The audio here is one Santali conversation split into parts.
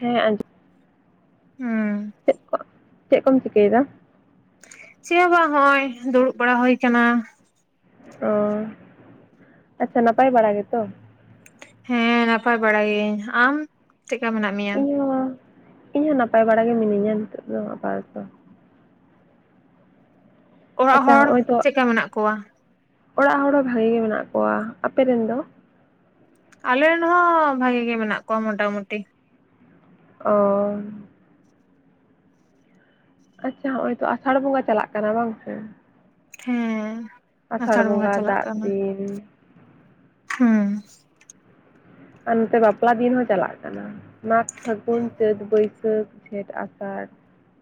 ᱦᱮᱸ ᱟᱸᱡᱚ ᱩᱸ ᱪᱮᱫ ᱠᱚᱢ ᱪᱤᱠᱟᱹᱭᱫᱟ? ᱪᱮᱜ ᱦᱚᱸ ᱵᱟᱝ ᱦᱚᱸᱜᱼᱚᱭ ᱫᱩᱲᱩᱵ ᱵᱟᱲᱟ ᱦᱩᱭ ᱠᱟᱱᱟ᱾ ᱚ ᱟᱪᱪᱷᱟ ᱱᱟᱯᱟᱭ ᱵᱟᱲᱟ ᱜᱮᱛᱚ? ᱦᱮᱸ ᱱᱟᱯᱟᱭ ᱵᱟᱲᱟᱭ ᱜᱤᱭᱟᱹᱧ᱾ ᱟᱢ ᱪᱮᱜᱠᱟ ᱢᱮᱱᱟᱜ ᱢᱮᱭᱟ? ᱤᱧᱦᱚᱸ ᱤᱧ ᱦᱚᱸ ᱱᱟᱯᱟᱭ ᱵᱟᱲᱟ ᱜᱮ ᱢᱤᱱᱟᱹᱧᱟ ᱱᱤᱛᱚᱜ ᱫᱚ ᱟᱯᱟᱛᱚᱛᱚ᱾ ᱚᱣᱟᱜ ᱟᱪᱪᱷᱟ ᱦᱚᱲ ᱦᱚᱜᱼᱚᱭ ᱛᱚ ᱪᱮᱜᱠᱟ ᱢᱮᱱᱟᱜ ᱠᱚᱣᱟ? ᱚᱲᱟᱜ ᱦᱚᱲ ᱦᱚᱸ ᱵᱷᱟᱜᱮ ᱜᱮ ᱢᱮᱱᱟᱜ ᱠᱚᱣᱟ᱾ ᱟᱯᱮ ᱨᱮᱱ ᱫᱚ? ᱟᱞᱮᱨᱮᱱ ᱦᱚᱸ ᱵᱷᱟᱜᱤ ᱜᱮ ᱢᱮᱱᱟᱜ ᱠᱚᱣᱟ ᱢᱚᱴᱟ ᱢᱩᱴᱤ᱾ ᱚ ᱟᱪᱪᱷᱟ ᱦᱚᱸᱜᱼᱚᱭ ᱛᱚ ᱟᱥᱟᱲ ᱵᱚᱸᱜᱟ ᱪᱟᱞᱟᱜ ᱠᱟᱱᱟ ᱵᱟᱝ ᱥᱮ᱾ ᱦᱮᱸ ᱟᱥᱟᱲ ᱵᱚᱸᱜᱟ ᱫᱟᱜ ᱫᱤᱱ᱾ ᱦᱩᱸ ᱟᱨ ᱱᱚᱛᱮ ᱵᱟᱯᱞᱟ ᱫᱤᱱ ᱦᱚᱸ ᱪᱟᱞᱟᱜ ᱠᱟᱱᱟ᱾ ᱢᱟᱜᱽ ᱯᱷᱟᱹᱜᱩᱱ ᱪᱟᱹᱛ ᱵᱟᱹᱭᱥᱟᱹᱠᱷ ᱡᱷᱮᱸᱴ ᱟᱥᱟᱲ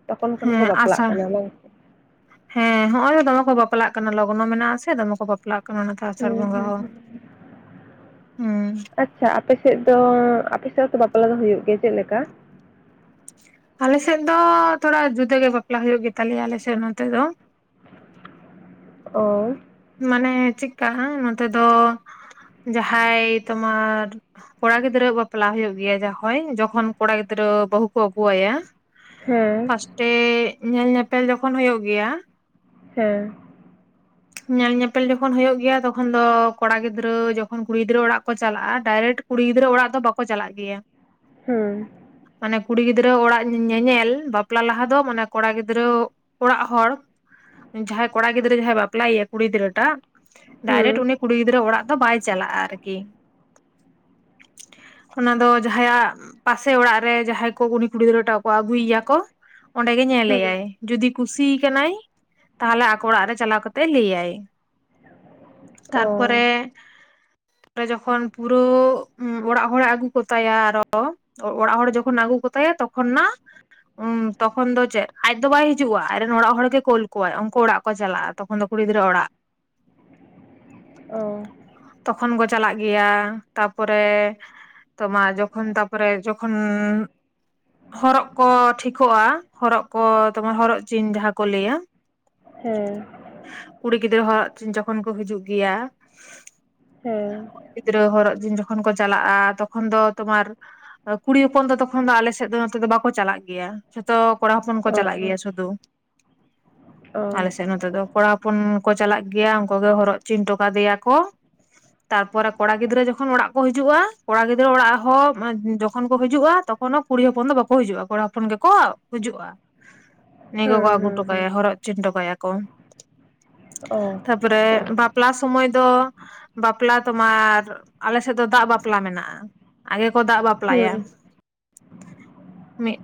ᱛᱚᱠᱷᱚᱱ ᱠᱷᱚᱱ ᱠᱚ ᱦᱮᱸ ᱵᱟᱯᱞᱟᱜ ᱟᱥᱟ ᱠᱟᱱᱟ ᱵᱟᱝ ᱥᱮ? ᱦᱮᱸ ᱦᱚᱸᱜᱼᱚᱭ ᱫᱚᱢᱮ ᱠᱚ ᱵᱟᱯᱞᱟᱜ ᱠᱟᱱᱟ ᱞᱚᱜᱽᱱᱚ ᱢᱮᱱᱟᱜᱼᱟ ᱥᱮ ᱫᱚᱢᱮ ᱠᱚ ᱵᱟᱯᱞᱟᱜ ᱠᱚ ᱢᱟᱱᱮ ᱛᱚ ᱦᱩᱸ ᱟᱥᱟᱲ ᱵᱚᱸᱜᱟ ᱦᱩᱸ ᱦᱚᱸ ᱦᱩᱸ ᱩᱸ ᱟᱪᱪᱷᱟ ᱟᱯᱮᱥᱮᱜ ᱫᱚ ᱟᱯᱮᱥᱮᱜ ᱦᱚᱸᱛᱚ ᱵᱟᱯᱞᱟ ᱫᱚ ᱦᱩᱭᱩᱜ ᱜᱮᱭᱟ ᱪᱮᱜ ᱞᱮᱠᱟ? ᱟᱞᱮᱥᱮᱜ ᱫᱚ ᱛᱷᱚᱲᱟ ᱡᱩᱫᱟᱹ ᱜᱮ ᱵᱟᱯᱞᱟ ᱦᱩᱭᱩᱜ ᱜᱮ ᱛᱟᱞᱮᱭᱟ ᱟᱞᱮᱥᱮᱜ ᱱᱚᱛᱮ ᱫᱚ᱾ ᱚ ᱢᱟᱱᱮ ᱪᱮᱜᱠᱟ ᱱᱚᱛᱮ ᱫᱚ ᱡᱟᱦᱟᱸᱭ ᱛᱳᱢᱟᱨ ᱠᱚᱲᱟ ᱜᱤᱫᱽᱨᱟᱹ ᱵᱟᱯᱞᱟ ᱦᱩᱭᱩᱜ ᱜᱮᱭᱟ ᱡᱚᱠᱷᱚᱭ ᱡᱚᱠᱷᱚᱱ ᱠᱚᱲᱟ ᱜᱤᱫᱽᱨᱟᱹ ᱵᱟᱹᱦᱩ ᱠᱚ ᱟᱹᱜᱩ ᱣᱟᱭᱟ ᱦᱮᱸ ᱯᱷᱟᱥᱴᱮ ᱧᱮᱞ ᱧᱮᱯᱮᱞ ᱡᱚᱠᱷᱚᱱ ᱦᱳᱭᱳ ᱜᱮᱭᱟ᱾ ᱦᱮᱸ ᱧᱮᱞ ᱧᱮᱯᱮᱞ ᱡᱚᱠᱷᱚᱱ ᱦᱳᱭᱳᱜ ᱜᱮᱭᱟ ᱛᱚᱠᱷᱚᱱ ᱫᱚ ᱠᱚᱲᱟ ᱜᱤᱫᱽᱨᱟᱹ ᱡᱚᱠᱷᱚᱱ ᱠᱩᱲᱤ ᱜᱤᱫᱽᱨᱟᱹ ᱚᱲᱟᱜ ᱠᱚ ᱪᱟᱞᱟᱜᱼᱟ ᱰᱟᱭᱨᱮᱠᱴ ᱠᱩᱲᱤ ᱜᱤᱫᱽᱨᱟᱹ ᱚᱲᱟᱜ ᱫᱚ ᱵᱟᱠᱚ ᱪᱟᱞᱟᱜ ᱜᱮᱭᱟ᱾ ᱦᱮᱸ ᱢᱟᱱᱮ ᱠᱩᱲᱤ ᱜᱤᱫᱽᱨᱟᱹ ᱚᱲᱟᱜ ᱧᱮᱧᱮᱞ ᱵᱟᱯᱞᱟ ᱞᱟᱦᱟ ᱫᱚ ᱢᱟᱱᱮ ᱠᱚᱲᱟ ᱜᱤᱫᱽᱨᱟᱹ ᱚᱲᱟᱜ ᱦᱚᱲ ᱡᱟᱦᱟᱸᱭ ᱠᱚᱲᱟ ᱜᱤᱫᱽᱨᱟᱹ ᱡᱟᱦᱟᱸᱭ ᱵᱟᱯᱞᱟᱭᱮᱭᱟ ᱠᱩᱲᱤ ᱜᱤᱫᱽᱨᱟᱹᱴᱟᱜ ᱰᱟᱭᱨᱮᱠᱴ ᱦᱩᱸ ᱩᱱᱤ ᱠᱩᱲᱤ ᱜᱤᱫᱽᱨᱟᱹ ᱚᱲᱟᱜ ᱫᱚ ᱵᱟᱭ ᱪᱟᱞᱟᱜᱼᱟ ᱟᱨᱠᱤ ᱚᱱᱟ ᱫᱚ ᱡᱟᱦᱟᱸᱭᱟᱜ ᱯᱟᱥᱮ ᱚᱲᱟᱜ ᱨᱮ ᱡᱟᱦᱟᱸᱭ ᱠᱚ ᱩᱱᱤ ᱠᱩᱲᱤ ᱜᱤᱫᱽᱨᱟᱹ ᱴᱟᱜ ᱠᱚ ᱟᱹᱜᱩᱭᱮᱭᱟ ᱠᱚ ᱚᱸᱰᱮ ᱜᱮ ᱦᱩᱸ ᱧᱮᱞᱮᱭᱟᱭ ᱡᱩᱫᱤ ᱠᱩᱥᱤ ᱠᱟᱱᱟᱭ᱾ ᱛᱟᱦᱚᱞᱮ ᱟᱠᱚ ᱚᱲᱟᱜ ᱨᱮ ᱪᱟᱞᱟᱣ ᱠᱟᱛᱮ ᱛᱮ ᱞᱟᱹᱭᱟᱭ ᱚ ᱛᱟᱨᱯᱚᱨᱮ ᱡᱚᱠᱷᱚᱱ ᱯᱩᱨᱟᱹ ᱚᱲᱟᱜ ᱦᱚᱲᱮ ᱟᱹᱜᱩ ᱠᱚᱛᱟᱭᱟ ᱟᱨᱚ ᱚᱲᱟᱜ ᱦᱚᱲ ᱡᱚᱠᱷᱚᱱ ᱟᱹᱜᱩ ᱠᱚᱛᱟᱭᱟ ᱛᱚᱠᱷᱚᱱ ᱱᱟ ᱩᱸ ᱛᱚᱠᱷᱚᱱ ᱫᱚ ᱪᱮᱫ ᱟᱡ ᱫᱚ ᱵᱟᱭ ᱦᱤᱡᱩᱜᱼᱟ᱾ ᱟᱡᱨᱮᱱ ᱚᱲᱟᱜ ᱦᱚᱲ ᱜᱮ ᱠᱳᱞ ᱠᱚᱣᱟᱭ ᱩᱱᱠᱩ ᱚᱲᱟᱜ ᱠᱚ ᱪᱟᱞᱟᱜᱼᱟ ᱛᱚᱠᱷᱚᱱ ᱫᱚ ᱠᱩᱲᱤ ᱜᱤᱫᱽᱨᱟᱹ ᱚᱲᱟᱜ ᱚ ᱛᱚᱠᱷᱚᱱ ᱠᱚ ᱪᱟᱞᱟᱜ ᱜᱮᱭᱟ᱾ ᱛᱟᱨᱯᱚᱨᱮ ᱛᱚ ᱢᱟ ᱡᱚᱠᱷᱚᱱ ᱛᱟᱯᱚᱨᱮ ᱡᱚᱠᱷᱚᱱ ᱦᱚᱨᱚᱜ ᱠᱚ ᱴᱷᱤᱠᱚᱜᱼᱟ ᱦᱚᱨᱚᱜ ᱠᱚ ᱛᱚᱢᱟ ᱦᱚᱨᱚᱜ ᱪᱤᱱ ᱡᱟᱦᱟᱸ ᱠᱚ ᱞᱟᱹᱭᱟ ᱾ [inaudible] ᱦᱮᱸ ᱾ ᱠᱩᱲᱤ ᱜᱤᱫᱽᱨᱟᱹ ᱦᱚᱨᱚᱜ ᱪᱤᱱ ᱡᱚᱠᱷᱚᱱ ᱠᱚ ᱦᱤᱡᱩᱜ ᱜᱮᱭᱟ ᱦᱮᱸ ᱾ ᱜᱤᱫᱽᱨᱟᱹ ᱦᱚᱨᱚᱜ ᱪᱤᱱ ᱡᱚᱠᱷᱚᱱ ᱠᱚ ᱪᱟᱞᱟᱜᱼᱟ, ᱛᱚᱠᱷᱚᱱ ᱫᱚ ᱛᱳᱢᱟᱨ ᱠᱩᱲᱤ ᱦᱚᱯᱚᱱ ᱫᱚ ᱛᱚᱠᱷᱚᱱ ᱫᱚ ᱟᱞᱮ ᱥᱮᱫ ᱫᱚ ᱱᱚᱛᱮ ᱫᱚ ᱵᱟᱠᱚ ᱪᱟᱞᱟᱜ ᱜᱮᱭᱟ ᱡᱷᱚᱛᱚ ᱠᱚᱲᱟ ᱦᱚᱯᱚᱱ ᱠᱚ ᱚ ᱪᱟᱞᱟᱜ ᱚ ᱜᱮᱭᱟ ᱥᱩᱫᱷᱩ᱾ ᱚ ᱟᱞᱮ ᱥᱮᱫ ᱱᱚᱛᱮ ᱫᱚ ᱠᱚᱲᱟ ᱦᱚᱯᱚᱱ ᱠᱚ ᱪᱟᱞᱟᱜ ᱜᱮᱭᱟ, ᱩᱱᱠᱩ ᱜᱮ ᱦᱚᱨᱚᱜ ᱪᱤᱱ ᱦᱚᱴᱚ ᱠᱟᱫᱮᱭᱟ ᱠᱚ ᱾ ᱛᱟᱨᱯᱚᱨᱮ ᱠᱚᱲᱟ ᱜᱤᱫᱽᱨᱟᱹ ᱡᱚᱠᱷᱚᱱ ᱚᱲᱟᱜ ᱠᱚ ᱦᱤᱡᱩᱜᱼᱟ ᱠᱚᱲᱟ ᱜᱤᱫᱽᱨᱟᱹ ᱚᱲᱟᱜ ᱦᱚᱸ ᱡᱚᱠᱷᱚᱱ ᱠᱚ ᱦᱤᱡᱩᱜᱼᱟ ᱛᱚᱠᱷᱚᱱᱳ ᱠᱩᱲᱤ ᱦᱚᱯᱚᱱ ᱫᱚ ᱵᱟᱠᱚ ᱦᱤᱡᱩᱜᱼᱟ, ᱠᱚᱲᱟ ᱦᱚᱯᱚᱱ ᱜᱮᱠᱚ ᱦᱤᱡᱩᱜᱼᱟ ᱾ ᱱᱤᱭᱟᱹ ᱠᱚ ᱦᱩᱸ ᱠᱚ ᱟᱹᱜᱩ ᱦᱩᱸ ᱦᱩᱸ ᱴᱚᱠᱟᱭᱟ ᱦᱚᱨᱚᱜᱪᱤᱱ ᱴᱚᱠᱟᱭᱟᱠᱚ᱾ ᱚ ᱛᱟᱯᱚᱨᱮ ᱵᱟᱯᱞᱟ ᱥᱩᱢᱟᱹᱭ ᱫᱚ ᱵᱟᱯᱞᱟ ᱛᱳᱢᱟᱨ ᱟᱞᱮᱥᱮᱫ ᱫᱚ ᱫᱟᱜ ᱵᱟᱯᱞᱟ ᱢᱮᱱᱟᱜᱼᱟ᱾ ᱟᱜᱮ ᱠᱚ ᱫᱟᱜ ᱵᱟᱯᱞᱟ ᱵᱟᱯᱞᱟᱭᱟ ᱦᱩᱸ ᱢᱤᱫ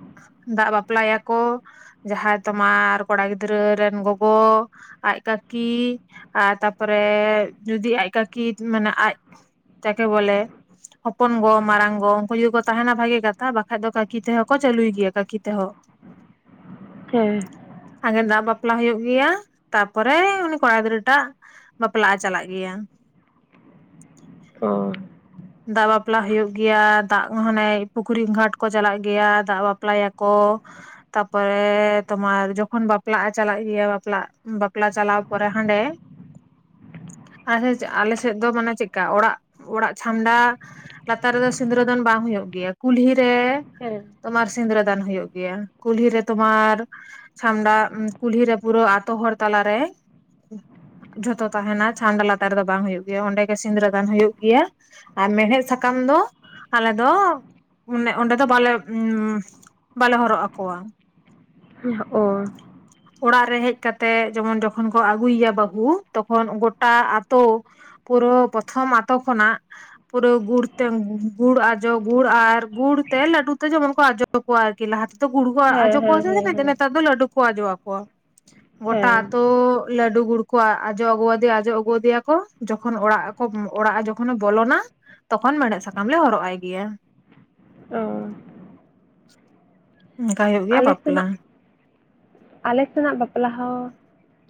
ᱫᱟᱜ ᱵᱟᱯᱞᱟᱭᱟᱠᱚ ᱡᱟᱦᱟᱸᱭ ᱛᱳᱢᱟᱨ ᱠᱚᱲᱟ ᱜᱤᱫᱽᱨᱟᱹ ᱨᱮᱱ ᱜᱚᱜᱚ, ᱟᱡ ᱠᱟᱹᱠᱤ, ᱟᱨ ᱛᱟᱯᱚᱨᱮ ᱡᱩᱫᱤ ᱟᱡ ᱠᱟᱹᱠᱤ ᱢᱟᱱᱮ ᱟᱡ ᱪᱟᱠᱮ ᱵᱚᱞᱮ ᱦᱚᱯᱚᱱ ᱜᱚ ᱢᱟᱨᱟᱝ ᱜᱚ, ᱩᱱᱠᱩ ᱡᱩᱫᱤ ᱠᱚ ᱛᱟᱦᱮᱱᱟ ᱵᱷᱟᱜᱤ ᱠᱟᱛᱷᱟ ᱵᱟᱠᱷᱟᱡ ᱫᱚ ᱠᱟᱠᱤ ᱛᱮᱦᱚᱸ ᱠᱚ ᱪᱟᱹᱞᱩᱭ ᱜᱮᱭᱟ ᱠᱟᱹᱠᱤ ᱛᱮᱦᱚᱸ ᱾ [inaudible] ᱦᱮᱸ ᱾ ᱟᱜᱮ ᱫᱟᱜ ᱵᱟᱯᱞᱟ ᱦᱩᱭᱩᱜ ᱜᱮᱭᱟ, ᱛᱟᱨᱯᱚᱨᱮ ᱩᱱᱤ ᱠᱚᱲᱟ ᱜᱤᱫᱽᱨᱟᱹ ᱴᱟᱜ ᱵᱟᱯᱞᱟᱜ ᱮ ᱪᱟᱞᱟᱜ ᱜᱮᱭᱟ ᱾ ᱚ ᱫᱟᱜ ᱵᱟᱯᱞᱟ ᱦᱩᱭᱩᱜ ᱜᱮᱭᱟ, ᱫᱟᱜ ᱢᱟᱱᱮ ᱯᱩᱠᱷᱨᱤ ᱜᱷᱟᱴ ᱠᱚ ᱪᱟᱞᱟᱜ ᱜᱮᱭᱟ ᱫᱟᱜ ᱵᱟᱯᱞᱟᱭᱟᱠᱚ ᱾ ᱛᱟᱯᱚᱨᱮ ᱛᱳᱢᱟᱨ ᱡᱚᱠᱷᱚᱱ ᱵᱟᱯᱞᱟᱜ ᱮ ᱪᱟᱞᱟᱜ ᱜᱮᱭᱟ, ᱵᱟᱯᱞᱟ ᱵᱟᱯᱞᱟ ᱪᱟᱞᱟᱣ ᱯᱚᱨᱮ ᱦᱟᱸᱰᱮ ᱟᱞᱮ ᱥᱮᱫ ᱫᱚ ᱢᱟᱱᱮ ᱪᱮᱫᱠᱟ ᱚᱲᱟᱜ ᱚᱲᱟᱜ ᱪᱷᱟᱢᱰᱟ ᱞᱟᱛᱟᱨ ᱨᱮᱫᱚ ᱥᱤᱸᱫᱽᱨᱟᱹᱫᱟᱱ ᱵᱟᱝ ᱦᱩᱭᱩᱜ ᱜᱮᱭᱟ᱾ ᱠᱩᱞᱦᱤ ᱨᱮ ᱦᱮᱸ ᱾ ᱛᱳᱢᱟᱨ ᱥᱤᱸᱫᱽᱨᱟᱹ ᱫᱟᱱ ᱦᱩᱭᱩᱜ ᱜᱮᱭᱟ ᱾ ᱠᱩᱞᱦᱤ ᱨᱮ ᱛᱳᱢᱟᱨ ᱪᱷᱟᱢᱰᱟ ᱠᱩᱞᱦᱤᱨᱮ ᱯᱩᱨᱟᱹ ᱟᱛᱳ ᱦᱚᱲ ᱛᱟᱞᱟᱨᱮ ᱡᱷᱚᱛᱚ ᱛᱟᱦᱮᱱᱟ, ᱪᱷᱟᱢᱰᱟ ᱞᱟᱛᱟᱨ ᱨᱮᱫᱚ ᱵᱟᱝ ᱦᱩᱭᱩᱜ ᱜᱮᱭᱟ ᱚᱸᱰᱮ ᱜᱮ ᱥᱤᱸᱝᱨᱟᱹᱫᱟᱱ ᱦᱩᱭᱩᱜ ᱜᱮᱭᱟ ᱾ ᱟᱨ ᱢᱮᱲᱦᱮᱫ ᱥᱟᱠᱟᱢ ᱫᱚ ᱟᱞᱮ ᱫᱚ ᱚᱸᱰᱮ ᱫᱚ ᱵᱟᱞᱮ ᱵᱟᱞᱮ ᱦᱚᱨᱚᱜ ᱟᱠᱚᱣᱟ ᱾ ᱚ ᱾ [inaudible] ᱚᱲᱟᱜ ᱨᱮ ᱦᱮᱡ ᱠᱟᱛᱮ ᱡᱮᱢᱚᱱ ᱡᱚᱠᱷᱚᱱ ᱠᱚ ᱟᱹᱜᱩᱭᱮᱭᱟ ᱵᱟᱹᱦᱩ, ᱛᱚᱠᱷᱚᱱ ᱜᱚᱴᱟ ᱟᱛᱳ ᱯᱩᱨᱟᱹ ᱯᱨᱚᱛᱷᱚᱢ ᱟᱛᱳ ᱠᱷᱚᱱᱟᱜ ᱯᱩᱨᱟᱹ ᱜᱩᱲ ᱛᱮ ᱜᱩᱲ ᱟᱡ ᱜᱩᱲ ᱟᱨ ᱜᱩᱲ ᱛᱮ ᱞᱟᱹᱰᱩ ᱛᱮ ᱡᱚᱱ ᱠᱚ ᱟᱡ ᱠᱚᱣᱟ ᱟᱨᱠᱤ ᱞᱟᱦᱟ ᱛᱮᱫᱚ ᱜᱩᱲ ᱠᱚ ᱚᱡᱚ ᱦᱮᱸ ᱠᱚᱣᱟ ᱦᱮᱸ ᱦᱮᱸ ᱥᱮ ᱦᱮᱸ ᱱᱮᱛᱟᱨ ᱫᱚ ᱞᱟᱹᱰᱩ ᱠᱚ ᱟᱡᱚ ᱟᱠᱚᱣᱟ ᱾ ᱜᱚᱴᱟ ᱦᱮᱸ ᱟᱛᱳ ᱞᱟᱹᱰᱩ ᱜᱩᱲ ᱠᱚ ᱟᱡᱚ ᱟᱹᱜᱩᱣᱟᱫᱮᱭᱟ ᱟᱡᱚ ᱟᱹᱜᱩᱣᱟᱫᱮᱭᱟ ᱠᱚ ᱡᱚᱠᱷᱚᱱ ᱚᱲᱟᱜ ᱟᱠᱚ ᱠᱚ ᱚᱲᱟᱜᱼᱟ ᱡᱚᱠᱷᱚᱱ ᱵᱚᱞᱚᱱᱟ ᱛᱚᱠᱷᱚᱱ ᱢᱮᱲᱦᱮᱫ ᱥᱟᱠᱟᱢ ᱞᱮ ᱦᱚᱨᱚᱜ ᱟᱭ ᱜᱮᱭᱟ ᱾ ᱚ ᱾ ᱚᱱᱠᱟ ᱦᱩᱭᱩᱜ ᱜᱮᱭᱟ ᱵᱟᱯᱞᱟ ᱥᱮᱱᱟᱜ ᱾ ᱟᱞᱮ ᱥᱮᱱᱟᱜ ᱵᱟᱯᱞᱟ ᱦᱚᱸ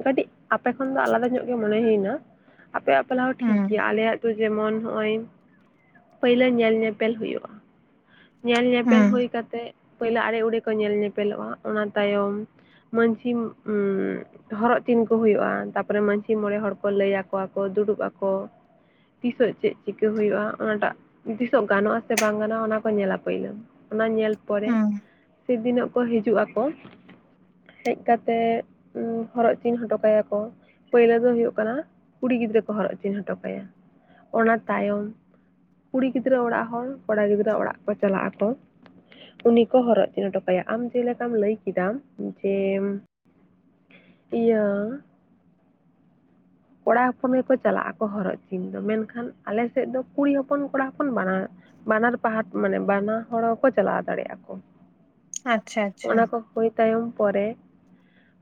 ᱠᱟᱹᱴᱤᱡ ᱟᱯᱮ ᱠᱷᱚᱱ ᱫᱚ ᱟᱞᱟᱫᱟ ᱧᱚᱜ ᱜᱮ ᱢᱚᱱᱮ ᱦᱩᱭᱱᱟ ᱾ ᱟᱯᱮᱭᱟᱜ ᱵᱟᱯᱞᱟ ᱦᱚᱸ ᱴᱷᱤᱠ ᱜᱮᱭᱟ, ᱦᱩᱸ ᱟᱞᱮᱭᱟᱜ ᱫᱚ ᱡᱮᱢᱚᱱ ᱦᱚᱸᱜᱼᱚᱭ ᱯᱩᱭᱞᱟᱹ ᱧᱮᱞ ᱧᱮᱯᱮᱞ ᱦᱩᱭᱩᱜᱼᱟ ᱾ ᱧᱮᱞ ᱧᱮᱯᱮᱞ ᱦᱩᱸ ᱦᱩᱭ ᱠᱟᱛᱮ, ᱯᱳᱭᱞᱳ ᱟᱲᱮ ᱩᱲᱮ ᱠᱚ ᱧᱮᱞ ᱧᱮᱯᱮᱞᱚᱜᱼᱟ, ᱚᱱᱟ ᱛᱟᱭᱚᱢ ᱢᱟᱺᱡᱷᱤ ᱦᱚᱨᱚᱜ ᱪᱤᱱ ᱠᱚ ᱦᱩᱭᱩᱜᱼᱟ ᱾ ᱛᱟᱨᱯᱚᱨᱮ ᱢᱟᱺᱡᱷᱤ ᱢᱚᱬᱮ ᱦᱚᱲ ᱠᱚ ᱞᱟᱹᱭ ᱟᱠᱚᱣᱟᱠᱚ, ᱫᱩᱲᱩᱵ ᱟᱠᱚ ᱛᱤᱥᱚᱜ ᱪᱮᱫ ᱪᱤᱠᱟᱹ ᱦᱩᱭᱩᱜᱼᱟ? ᱚᱱᱟᱴᱟᱜ ᱛᱤᱥᱚᱜ ᱜᱟᱱᱚᱜᱼᱟ ᱥᱮ ᱵᱟᱝ ᱜᱟᱱᱚᱜᱼᱟ ᱚᱱᱟ ᱠᱚ ᱧᱮᱞᱟ ᱯᱳᱭᱞᱳ ᱾ ᱚᱱᱟ ᱧᱮᱞ ᱯᱚᱨᱮ ᱦᱩᱸ ᱢᱤᱫ ᱫᱤᱱᱚᱜ ᱠᱚ ᱦᱤᱡᱩᱜ ᱟᱠᱚ, ᱦᱮᱡ ᱠᱟᱛᱮᱜ ᱦᱚᱨᱚᱜ ᱪᱤᱱ ᱦᱚᱴᱚ ᱠᱟᱭᱟ ᱠᱚ ᱯᱟ. ᱭᱞᱟ. ᱣ ᱫᱚ ᱦᱩᱭᱩᱜ ᱠᱟᱱᱟ ᱠᱩᱲᱤ ᱜᱤᱫᱽᱨᱟᱹ ᱠᱚ ᱦᱚᱨᱚᱜ ᱪᱤᱱᱦ ᱦᱚᱴᱚ ᱠᱟᱭᱟ ᱚᱱᱟ ᱛᱟᱭᱚᱢ ᱠᱩᱲᱤ ᱜᱤᱫᱽᱨᱟᱹ ᱚᱲᱟᱜ ᱦᱚᱲ ᱠᱚᱲᱟ ᱜᱤᱫᱽᱨᱟᱹ ᱟᱜ ᱚᱲᱟᱜ ᱠᱚ ᱪᱟᱞᱟᱜ ᱟᱠᱚ ᱩᱱᱤ ᱠᱚ ᱦᱚᱨᱚᱜ ᱪᱤᱱᱦ ᱦᱚᱴᱚ ᱠᱟᱭᱟ ᱟᱢ ᱡᱮᱞᱮᱠᱟᱢ ᱞᱟᱹᱭ ᱠᱮᱫᱟᱢ ᱡᱮᱢ ᱤᱭᱟᱹ ᱠᱚᱲᱟ ᱦᱚᱯᱚᱱ ᱜᱮᱠᱚ ᱪᱟᱞᱟᱜ ᱟᱠᱚ ᱦᱚᱨᱚᱜ ᱪᱤᱱ ᱫᱚ ᱢᱮᱱᱠᱷᱟᱱ ᱟᱞᱮ ᱥᱮᱜ ᱫᱚ ᱠᱩᱲᱤ ᱦᱚᱯᱚᱱ ᱠᱚᱲᱟ ᱦᱚᱯᱚᱱ ᱵᱟ ᱵᱟᱱᱟᱨ ᱯᱟᱦᱟ ᱢᱟᱱᱮ ᱵᱟᱱᱟ ᱦᱚᱲ ᱠᱚ ᱪᱟᱞᱟᱣ ᱫᱟᱲᱮᱭᱟᱜᱼᱟ ᱠᱚ ᱟᱪᱪᱷᱟ ᱟᱪᱪᱷᱟ ᱚᱱᱟ ᱠᱚ ᱦᱳᱭᱳ ᱛᱟᱭᱚᱢ ᱯᱚᱨᱮ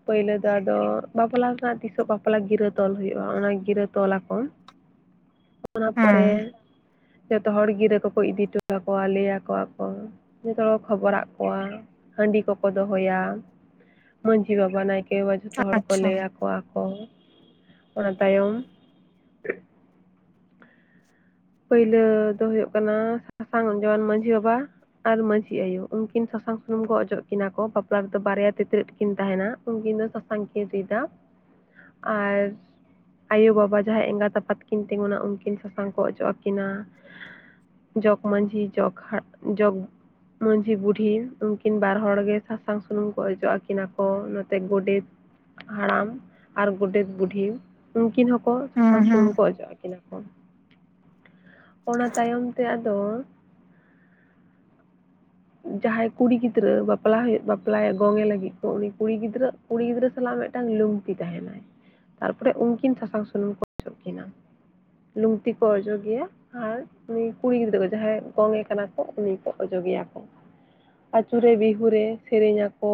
ᱯᱟ. ᱭᱞᱟ. ᱫᱚ ᱟᱫᱚ ᱵᱟᱯᱞᱟ ᱨᱮᱱᱟᱜ ᱛᱤᱥᱚᱜ ᱵᱟᱯᱞᱟ ᱜᱤᱨᱟᱹᱫ ᱛᱚᱞ ᱦᱩᱭᱩᱜᱼᱟ ᱚᱱᱟ ᱜᱤᱨᱟᱹ ᱛᱚᱞᱟᱠᱚ ᱚᱱᱟ ᱯᱚᱨᱮ ᱦᱩᱸ ᱡᱚᱛᱚ ᱦᱚᱲ ᱜᱤᱨᱟᱹ ᱠᱚᱠᱚ ᱤᱫᱤ ᱴᱩ ᱟᱠᱚᱣᱟ ᱞᱟᱹᱭ ᱟᱠᱚ ᱟᱠᱚᱣᱟ ᱠᱚ ᱡᱚᱛᱚ ᱦᱚᱲ ᱠᱚ ᱠᱷᱚᱵᱚᱨ ᱟᱫ ᱠᱚᱣᱟ ᱦᱟᱺᱰᱤ ᱠᱚᱠᱚ ᱫᱚᱦᱚᱭᱟ ᱢᱟᱺᱡᱷᱤ ᱵᱟᱵᱟ ᱱᱟᱭᱠᱮ ᱠᱮ ᱵᱟᱵᱟ ᱡᱷᱚᱛᱚ ᱦᱚᱲ ᱠᱚ ᱟᱪᱪᱷᱟ ᱞᱟᱹᱭ ᱟᱠᱚᱣᱟ ᱠᱚ ᱚᱱᱟ ᱛᱟᱭᱚᱢ ᱯᱟᱹᱭᱞᱟᱹ ᱫᱚ ᱦᱩᱭᱩᱜ ᱠᱟᱱᱟ ᱥᱟᱥᱟᱝ ᱡᱚᱣᱟᱱ ᱢᱟᱺᱡᱷᱤ ᱵᱟᱵᱟ ᱟᱨ ᱢᱟᱺᱡᱷᱤ ᱟᱭᱳ ᱩᱱᱠᱤᱱ ᱥᱟᱥᱟᱝ ᱥᱩᱱᱩᱢ ᱠᱚ ᱚᱡᱚᱜ ᱠᱤᱱᱟ ᱠᱚ ᱵᱟᱯᱞᱟ ᱨᱮᱫᱚ ᱵᱟᱨᱭᱟ ᱛᱤᱛᱤᱨᱮᱫ ᱠᱤᱱ ᱛᱟᱦᱮᱱᱟ ᱩᱱᱠᱤᱱ ᱫᱚ ᱥᱟᱥᱟᱝ ᱠᱤᱱ ᱨᱤᱫᱟ ᱟᱨ ᱟᱭᱳ ᱵᱟᱵᱟ ᱡᱟᱦᱟᱸᱭ ᱮᱸᱜᱟᱛ ᱟᱯᱟᱛ ᱠᱤᱱ ᱛᱤᱸᱜᱩᱱᱟ ᱩᱱᱠᱤᱱ ᱥᱟᱥᱟᱝ ᱠᱚ ᱚᱡᱚᱜ ᱟᱠᱤᱱᱟ ᱠᱤᱱᱟ ᱡᱚᱜᱽ ᱢᱺᱡᱷᱤ ᱡᱚᱜᱽ ᱦᱟ ᱡᱚᱜᱽ ᱢᱟᱺᱡᱷᱤ ᱵᱩᱰᱷᱤ ᱩᱱᱠᱤᱱ ᱵᱟᱨ ᱦᱚᱲ ᱜᱮ ᱥᱟᱥᱟᱝ, ᱥᱩᱱᱩᱢ ᱠᱚ ᱚᱡᱚᱜ ᱟᱹᱠᱤᱱᱟ ᱠᱚ ᱱᱚᱛᱮ ᱜᱚᱰᱮᱛ ᱦᱟᱲᱟᱢ ᱟᱨ ᱜᱚᱰᱮᱛ ᱵᱩᱰᱷᱤ ᱩᱱᱠᱤᱱ ᱦᱚᱸᱠᱚ ᱦᱩᱸ ᱥᱟᱥᱟᱝ ᱦᱩᱸ ᱥᱩᱱᱩᱢ ᱠᱚ ᱚᱡᱚᱜ ᱟᱹᱠᱤᱱᱟ ᱠᱚ᱾ ᱚᱱᱟ ᱛᱟᱭᱚᱢ ᱛᱮ ᱟᱫᱚ ᱡᱟᱦᱟᱸᱭ ᱠᱩᱲᱤ ᱜᱤᱫᱽᱨᱟᱹ ᱵᱟᱯᱞᱟ ᱦᱩᱭᱩᱜ ᱵᱟᱯᱞᱟᱭ ᱜᱚᱝ ᱮ ᱞᱟᱹᱜᱤᱫ ᱠᱚ ᱩᱱᱤ ᱠᱩᱲᱤ ᱜᱤᱫᱽᱨᱟᱹ ᱠᱩᱲᱤ ᱜᱤᱫᱽᱨᱟᱹ ᱥᱟᱞᱟᱜ ᱢᱤᱫᱴᱟᱝ ᱞᱩᱝᱛᱤ ᱛᱟᱦᱮᱱᱟᱭ ᱛᱟᱨᱯᱚᱨᱮ ᱩᱱᱠᱤᱱ ᱥᱟᱥᱟᱝ ᱥᱩᱱᱩᱢ ᱠᱚ ᱚᱥᱚᱜ ᱠᱤᱱᱟ ᱞᱩᱝᱛᱤ ᱠᱚ ᱚᱡᱚ ᱜᱮᱭᱟ ᱟᱨ ᱩᱱᱤ ᱠᱩᱲᱤ ᱜᱤᱫᱽᱨᱟᱹ ᱡᱟᱦᱟᱸᱭ ᱜᱚᱝ ᱮ ᱠᱟᱱᱟ ᱠᱚ ᱩᱱᱤ ᱠᱚ ᱚᱡᱚᱜᱮᱭᱟ ᱟᱹᱪᱩᱨᱮ ᱵᱤᱦᱩ ᱨᱮ ᱥᱮᱨᱮᱧ ᱟᱠᱚ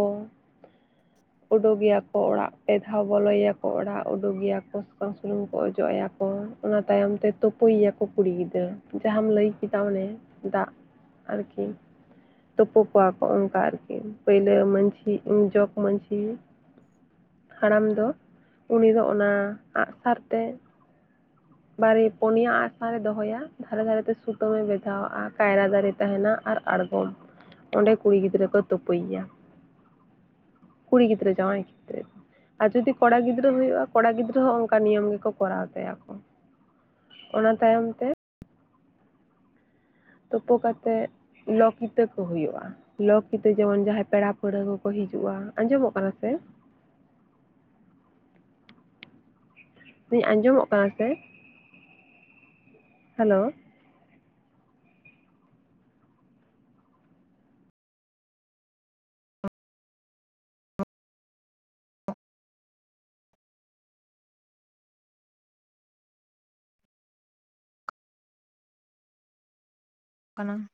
ᱩᱰᱩᱜᱮᱭᱟᱠᱚ ᱚᱲᱟᱜ ᱯᱮ ᱫᱷᱟᱣ ᱵᱚᱞᱚᱭᱮᱭᱟᱠᱚ ᱚᱲᱟᱜ ᱩᱰᱩᱜᱮᱭᱟᱠᱚ ᱥᱟᱥᱟᱝ ᱥᱩᱱᱩᱢ ᱠᱚ ᱚᱡᱚᱜ ᱟᱭᱟ ᱠᱚ ᱤᱱᱟ. ᱛᱟᱭᱚᱢ ᱛᱮ ᱛᱳᱯᱳᱭᱟ. ᱠᱚ ᱠᱩᱲᱤ ᱜᱤᱫᱽᱨᱟᱹ ᱡᱟᱦᱟᱸᱢ ᱞᱟᱹᱭ ᱠᱮᱫᱟ ᱚᱱᱮ ᱫᱟᱜ ᱟᱨ ᱠᱤ ᱛᱳᱯᱳ ᱠᱚᱣᱟ ᱠᱚ ᱚᱱᱠᱟ ᱟᱨ ᱠᱤ ᱯᱟ. ᱭᱞᱟ. ᱢᱟᱺᱡᱷᱤ ᱡᱚᱜᱽ ᱢᱟᱺᱡᱷᱤ᱾ ᱦᱟᱲᱟᱢ ᱫᱚ ᱩᱱᱤ ᱫᱚ ᱚᱱᱟ ᱟᱸᱜᱼᱥᱟᱨ ᱛᱮ ᱵᱟᱨᱮ ᱯᱩᱱᱭᱟ ᱟᱸᱜᱥᱟᱻᱨᱮ ᱫᱚᱦᱚᱭᱟ ᱫᱷᱟᱨᱮ ᱫᱷᱟᱨᱮᱛᱮ ᱥᱩᱛᱟᱹᱢ ᱢᱮ ᱵᱮᱫᱷᱟᱣ ᱟᱜᱼᱟ ᱠᱟᱭᱨᱟ ᱫᱟᱨᱮ ᱛᱟᱦᱮᱱᱟ ᱟᱨ ᱟᱲᱜᱚᱢ ᱚᱸᱰᱮ ᱠᱩᱲᱤ ᱜᱤᱫᱽᱨᱟᱹ ᱠᱚ ᱛᱳᱯᱳ ᱭᱮᱭᱟ᱾ ᱠᱩᱲᱤ ᱜᱤᱫᱽᱨᱟᱹ ᱡᱟᱸᱣᱟ. ᱭ ᱠᱷᱮᱛᱮᱨᱮ ᱨᱮ ᱟᱨ ᱡᱩᱫᱤ ᱠᱚᱲᱟ ᱜᱤᱫᱽᱨᱟᱹ ᱦᱩᱭᱩᱜᱼᱟ ᱠᱚᱲᱟ ᱜᱤᱫᱽᱨᱟᱹ ᱦᱚᱸ ᱚᱱᱠᱟ ᱱᱤᱭᱚᱢ ᱜᱮᱠᱚ ᱠᱚᱨᱟᱣ ᱛᱟᱭᱟ ᱠᱚ ᱚᱱᱟ ᱛᱟᱭᱚᱢ ᱛᱮ ᱛᱳᱯᱳ ᱠᱟᱛᱮᱜ ᱞᱚᱠᱤᱛᱟᱹ ᱠᱚ ᱦᱩᱭᱩᱜᱼᱟ ᱞᱚᱠ ᱠᱤᱛᱟᱹ ᱡᱮᱢᱚᱱ ᱡᱟᱦᱟᱸᱭ ᱯᱮᱲᱟ ᱯᱟᱹᱲᱦᱟᱹ ᱠᱚᱠᱚ ᱦᱤᱡᱩᱜᱼᱟ, ᱟᱸᱡᱚᱢᱚᱜ ᱠᱟᱱᱟ ᱥᱮ? ᱫᱤᱧ ᱟᱸᱡᱚᱢᱚᱜ ᱠᱟᱱᱟ ᱥᱮ ᱦᱮᱞᱳ ᱠᱟᱱᱟ